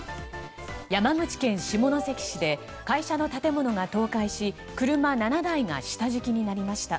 山口県下関市で会社の建物が倒壊し車７台が下敷きになりました。